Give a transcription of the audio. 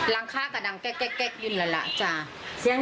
๒พุ่มนี้แหละค่ะ๒พุ่ม๖พุ่มก็พิษ